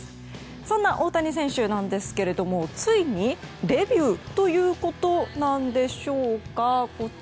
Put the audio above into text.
そんな大谷選手なんですがついにデビューということなんでしょうか。